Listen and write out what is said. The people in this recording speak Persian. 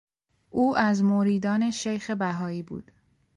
او از مریدان شیخ بهایی بود.